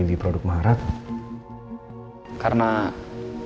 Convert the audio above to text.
buat apa u